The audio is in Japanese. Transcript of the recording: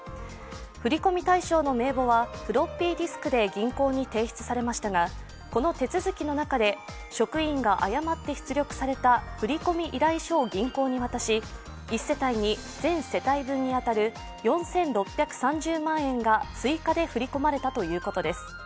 振り込み対象の名簿はフロッピーディスクで銀行に提出されましたがこの手続きの中で、職員が誤って出力された振込依頼書を銀行に渡し１世帯に全世帯分に当たる４６３０万円が追加で振り込まれたということです。